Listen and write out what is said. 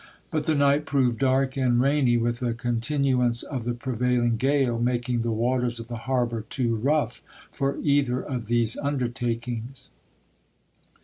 But the night proved dark and rainy, with a continuance of the prevailing gale, making the waters of the harbor too rough for either of these undertakings.